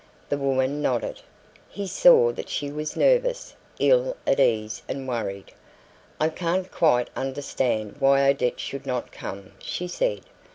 The woman nodded. He saw that she was nervous, ill at ease and worried. "I can't quite understand why Odette should not come," she said.